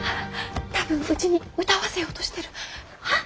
多分うちに歌わせようとしてる。はっ？